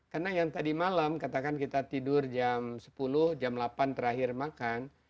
karena yang tadi malam katakan kita tidur jam sepuluh jam delapan terakhir makan